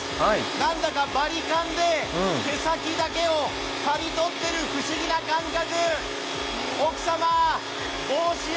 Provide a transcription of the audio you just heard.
何だかバリカンで毛先だけを刈り取ってる不思議な感覚。